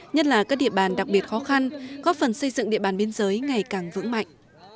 nhất là các địa bàn đặc biệt khó khăn góp phần xây dựng địa bàn biên giới ngày càng vững mạnh